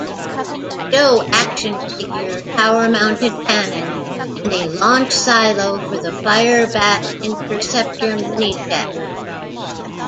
Joe action figure, tower-mounted cannons, and a launch silo for the Firebat interceptor mini-jet.